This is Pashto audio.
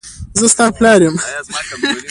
زه ستا پلار یم.